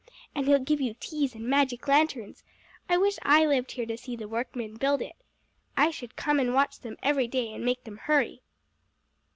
And he'll give you teas and magic lanterns. I wish I lived here to see the workmen build it. I should come and watch them every day, and make them hurry."